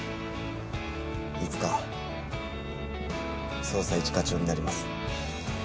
いつか捜査一課長になります。